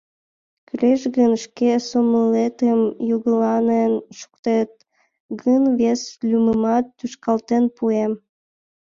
Кӱлеш гын, шке сомылетым йогыланен шуктет гын, вес лӱмымат тушкалтен пуэм.